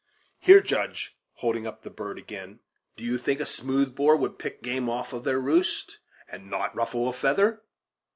Here, Judge," holding up the bird again, "do you think a smooth bore would pick game off their roost, and not ruffle a feather?"